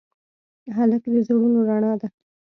هلک د زړونو رڼا ده.